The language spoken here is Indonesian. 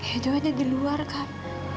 edo ada di luar kak